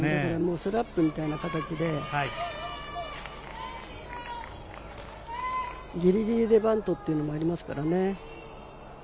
スラップみたいな形でギリギリでバントっていうのもありますからね。